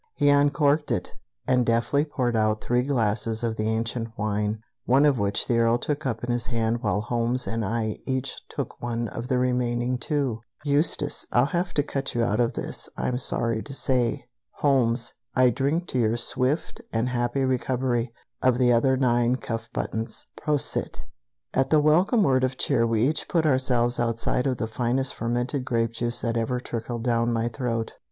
He uncorked it, and deftly poured out three glasses of the ancient wine, one of which the Earl took up in his hand while Holmes and I each took one of the remaining two. "Eustace, I'll have to cut you out of this, I'm sorry to say. Holmes, I drink to your swift and happy recovery of the other nine cuff buttons. Prosit!" At the welcome word of cheer we each put ourselves outside of the finest fermented grape juice that had ever tickled my throat.